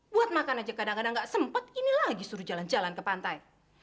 buat makan aja kadang kadang gak sempet ini lagi suruh jalan jalan ke pantai